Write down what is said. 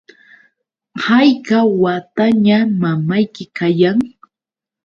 ¿hayka wataña mamayki kayan?